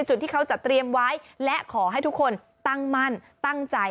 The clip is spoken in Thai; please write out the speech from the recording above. จุดที่เขาจะเตรียมไว้และขอให้ทุกคนตั้งมั่นตั้งใจ